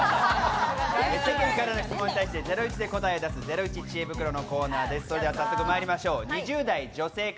世間からの質問に対して『ゼロイチ』で答えを出すゼロイチ知恵袋のコーナーです。